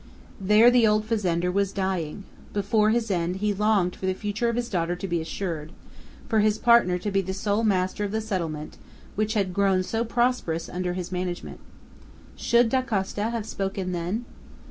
There the old fazender was dying; before his end he longed for the future of his daughter to be assured, for his partner to be the sole master of the settlement which had grown so prosperous under his management. Should Dacosta have spoken then?